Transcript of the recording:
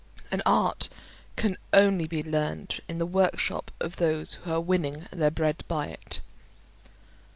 An art can only be learned in the workshop of those who are winning their bread by it.